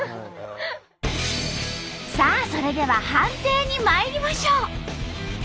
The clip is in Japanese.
さあそれでは判定にまいりましょう！